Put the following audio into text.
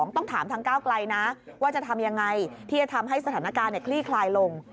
ต้องถามทางก้าวไกลนะว่าจะทำยังไงที่จะทำให้สถานการณ์คลี่คลายลง